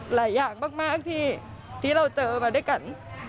หลายอย่างมากที่เราเจอมาด้วยกัน